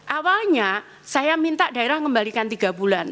awalnya saya minta daerah kembalikan tiga bulan